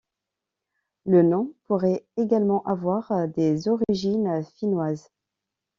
Le nom pourrait également avoir des origines finnoises.